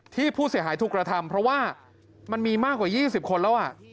ที่ผู้เสียหายถูกกระทำเพราะว่ามันมีมากกว่า๒๐คนแล้ว